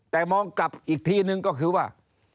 แต่มองกลับอีกทีนึงก็คือว่า